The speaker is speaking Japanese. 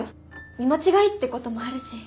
見間違いってこともあるし。